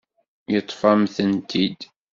Yeṭṭef-am-tent-id.